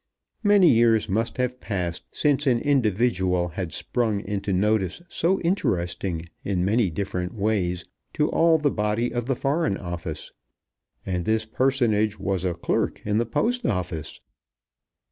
Many years must have passed since an individual had sprung into notice so interesting in many different ways to all the body of the Foreign Office! And this personage was a clerk in the Post Office!